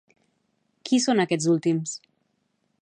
Qui són aquests últims?